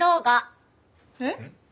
えっ？